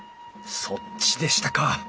そっちでしたか。